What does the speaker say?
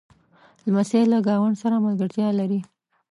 لمسی له ګاونډ سره ملګرتیا لري.